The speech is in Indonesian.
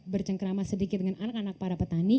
bercengkrama sedikit dengan anak anak para petani